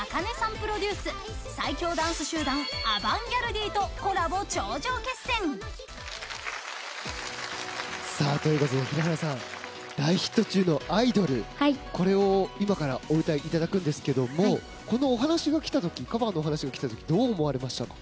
プロデュース最強ダンス集団アバンギャルディとコラボ頂上決戦。ということで、平原さん大ヒット中の「アイドル」これを今からお歌いいただくんですがこのお話が来たときどう思われましたか？